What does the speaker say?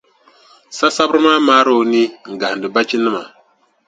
Sasabira maa maari o nii gahindi bachinima.